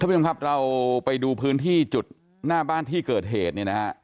ท่านพุ่งคุณครับเราไปดูพื้นที่จุดหน้าบ้านที่เกิดเหตุ